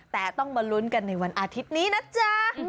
แต่ต้องมาลุ้นกันในวันอาทิตย์นี้นะจ๊ะ